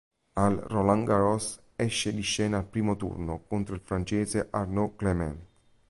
Al Roland Garros esce di scena al primo turno contro il francese Arnaud Clément.